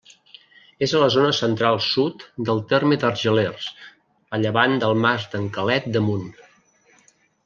És a la zona central-sud del terme d'Argelers, a llevant del Mas d'en Quelet d'Amunt.